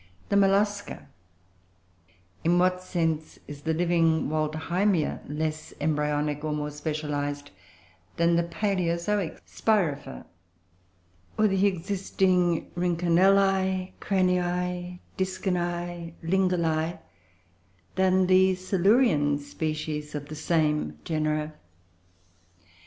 The Mollusca In what sense is the living Waldheimia less embryonic, or more specialised, than the palaeozoic Spirifer; or the existing Rhynchonelloe, Cranioe, Discinoe, Linguloe, than the Silurian species of the same genera?